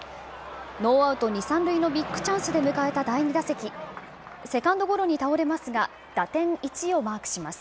ノーアウト２、３塁のビッグチャンスで迎えた第２打席、セカンドゴロに倒れますが、打点１をマークします。